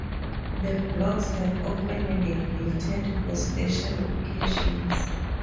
The blocks have often been lifted for special occasions.